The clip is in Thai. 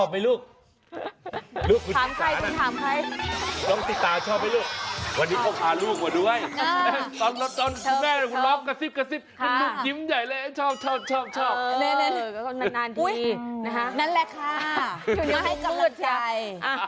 ไม่ให้จำลักใจ